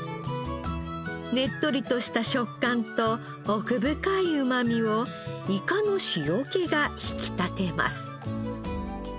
ねっとりとした食感と奥深いうまみをイカの塩気が引き立てます。